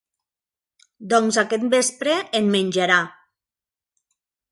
Doncs aquest vespre en menjarà.